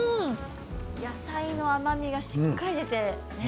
野菜の甘みがしっかり出て。